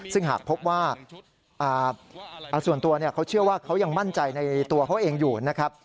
ซึ่งหากพบว่าส่วนตัวเขาเชื่อว่าเขายังมั่นใจในตัวเขาเองอยู่นะครับ